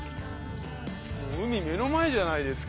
もう海目の前じゃないですか。